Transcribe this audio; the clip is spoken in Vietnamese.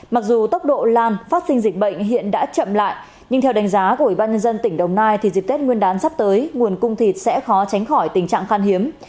mặc dù tốc độ lan phát sinh dịch bệnh hiện đã chậm lại nhưng theo đánh giá của ủy ban nhân dân tỉnh đồng nai thì dịp tết nguyên đán sắp tới nguồn cung thịt sẽ khó tránh khỏi tình trạng khan hiếm